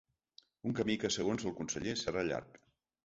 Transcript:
Un camí que, segons el conseller, serà llarg.